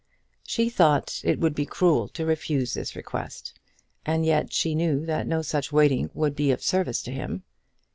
She thought it would be cruel to refuse this request, and yet she knew that no such waiting could be of service to him.